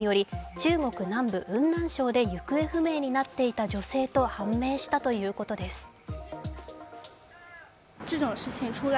女性の身元はＤＮＡ鑑定により、中国南部・雲南省で行方不明になっていた女性と判明したということです。